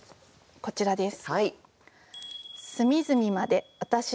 こちらです。